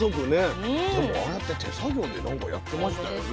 でもああやって手作業で何かやってましたよね。